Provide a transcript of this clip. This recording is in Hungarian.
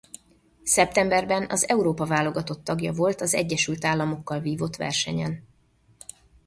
Szeptemberben az Európa-válogatott tagja volt az Egyesült Államokkal vívott versenyen.